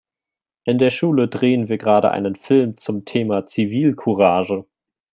In der Schule drehen wir gerade einen Film zum Thema Zivilcourage.